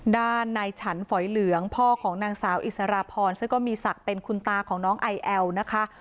ด้านในฉันฝอยเหลืองพ่อของนางสาวอิสรพรซึ่งก็มีศักดิ์เป็นคุณตาของน้องไอแอลนะคะ